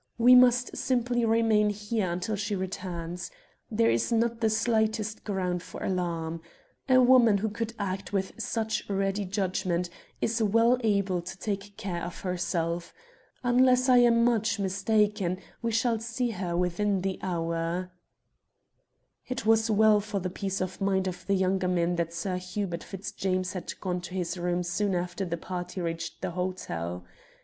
"We must simply remain here until she returns. There is not the slightest ground for alarm. A woman who could act with such ready judgment is well able to take care of herself. Unless I am much mistaken, we shall see her within the hour." It was well for the peace of mind of the younger men that Sir Hubert Fitzjames had gone to his room soon after the party reached the hotel.